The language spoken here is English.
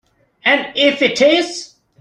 And if it is?